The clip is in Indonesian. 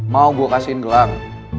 mau gua kasihin gelang